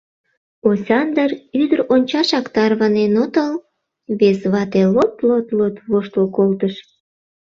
— Осяндр, ӱдыр ончашак тарванен отыл? — вес вате лот-лот-лот воштыл колтыш.